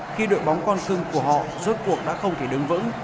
khi đội bóng con cưng của họ rốt cuộc đã không thể đứng vững